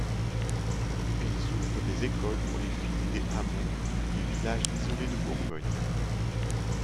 Elles ouvrent des écoles pour les filles des hameaux et villages isolés de Bourgogne.